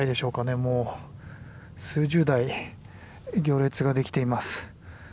もう数十台行列ができています。